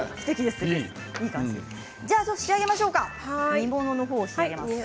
仕上げましょうか、煮物の方を仕上げます。